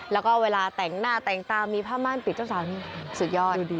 แล้วก็เวลาแต่งหน้าแต่งตามีผ้าม่านปิดเจ้าสาวนี่สุดยอด